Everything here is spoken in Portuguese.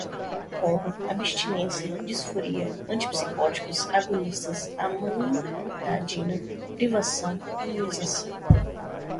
coma, abstinência, disforia, antipsicóticos, agonistas, amantadina, privação, imunização